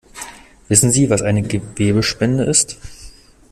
Wissen Sie, was eine Gewebespende ist?